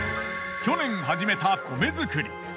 去年始めた米作り。